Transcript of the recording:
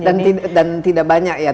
dan tidak banyak ya